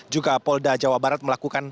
juga polda jawa barat melakukan